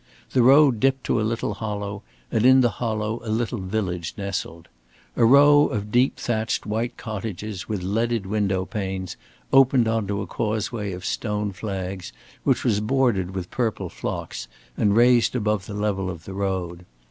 The road dipped to a little hollow and in the hollow a little village nestled. A row of deep thatched white cottages with leaded window panes opened on to a causeway of stone flags which was bordered with purple phlox and raised above the level of the road.